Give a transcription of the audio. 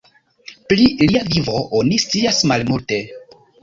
Pli lia vivo oni scias malmulte.